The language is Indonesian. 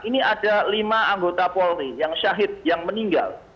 ini ada lima anggota polri yang syahid yang meninggal